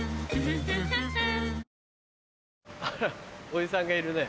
おじさんがいるね。